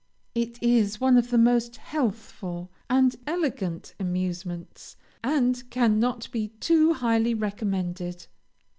It is one of the most healthful and elegant amusements, and cannot be too highly recommended.